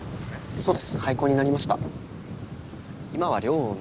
そうです。